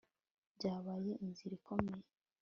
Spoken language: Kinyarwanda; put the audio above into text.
byabaye inzira ikomeye